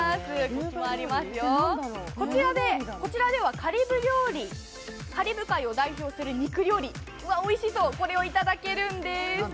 国旗もありますよ、こちらではカリブ料理、カリブ海を代表する肉料理おいしそう、これを頂けるんです。